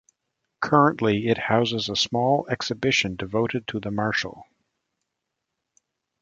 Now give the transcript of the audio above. Currently it houses a small exhibition devoted to the Marshal.